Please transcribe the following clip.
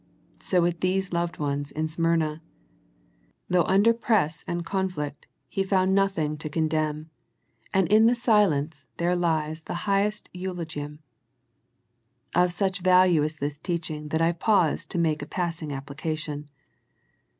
So with these loved ones in Smyrna. Though under press and conflict, He found nothing to condemn, and in the silence there lies the highest eulo gium. Of such value is this teaching that I pause to make a passing application.